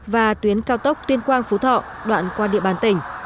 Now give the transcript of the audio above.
và tuyến cao tốc tuyên quang phú thọ đoạn qua địa bàn tỉnh